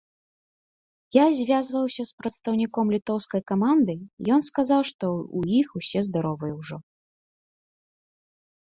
Я звязваўся з прадстаўніком літоўскай каманды, ён сказаў, што ў іх усе здаровыя ўжо.